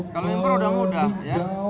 kalau impor sudah mudah ya